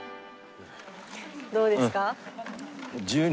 どうですか？